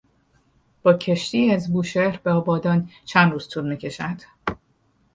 با کشتی از بوشهر به آبادان چند روز طول میکشد؟